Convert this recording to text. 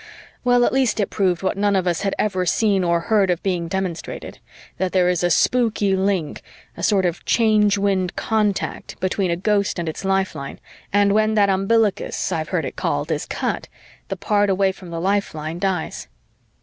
Well, at least it proved what none of us had ever seen or heard of being demonstrated: that there is a spooky link a sort of Change Wind contact between a Ghost and its lifeline; and when that umbilicus, I've heard it called, is cut, the part away from the lifeline dies.